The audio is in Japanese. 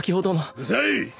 うるさい！